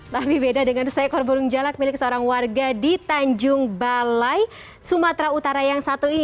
tapi beda dengan seekor burung jalak milik seorang warga di tanjung balai sumatera utara yang satu ini